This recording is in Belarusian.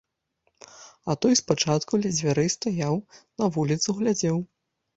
А той спачатку ля дзвярэй стаяў, на вуліцу глядзеў.